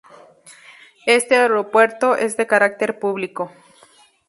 Este aeropuerto es de carácter público.